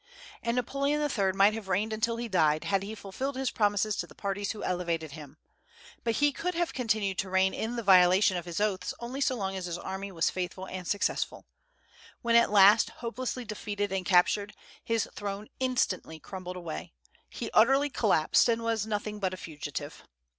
And Napoleon III. might have reigned until he died had he fulfilled his promises to the parties who elevated him; but he could have continued to reign in the violation of his oaths only so long as his army was faithful and successful. When at last hopelessly defeated and captured, his throne instantly crumbled away; he utterly collapsed, and was nothing but a fugitive.